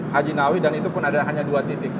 haji nawi dan itu pun ada hanya dua titik